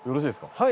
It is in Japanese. はい。